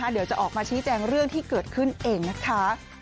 เดี๋ยวจะออกมาชี้แจงเรื่องที่เกิดขึ้นเองนะคะ